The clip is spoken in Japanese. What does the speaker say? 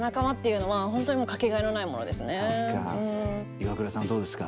イワクラさんどうですか？